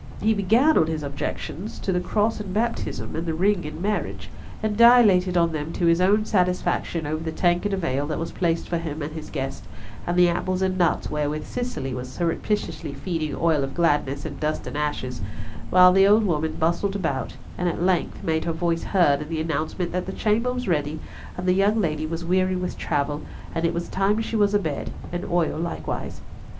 He began on his objections to the cross in baptism and the ring in marriage, and dilated on them to his own satisfaction over the tankard of ale that was placed for him and his guest, and the apples and nuts wherewith Cicely was surreptitiously feeding Oil of Gladness and Dust and Ashes; while the old woman bustled about, and at length made her voice heard in the announcement that the chamber was ready, and the young lady was weary with travel, and it was time she was abed, and Oil likewise.